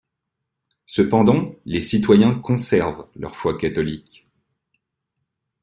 Cependant les citoyens conservent leur foi catholique.